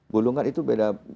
bulungan itu beda